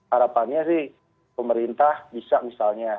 harapannya sih pemerintah bisa misalnya